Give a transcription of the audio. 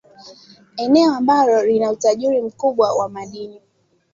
eneo ambalo lina utajiri mkubwa wa madini